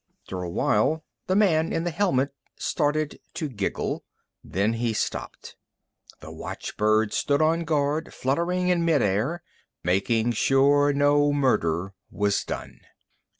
After a while, the man in the helmet started to giggle. Then he stopped. The watchbird stood on guard, fluttering in mid air Making sure no murder was done.